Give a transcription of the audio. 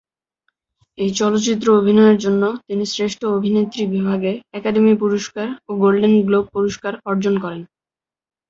এই চলচ্চিত্রে অভিনয়ের জন্য তিনি শ্রেষ্ঠ অভিনেত্রী বিভাগে একাডেমি পুরস্কার ও গোল্ডেন গ্লোব পুরস্কার অর্জন করেন।